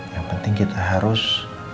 yang penting kita harus